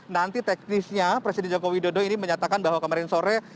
nanti teknisnya presiden joko widodo ini menyatakan bahwa kemarin sore